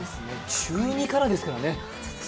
中２からですからね。